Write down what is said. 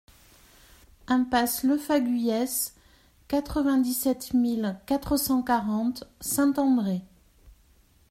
Impasse Lefaguyès, quatre-vingt-dix-sept mille quatre cent quarante Saint-André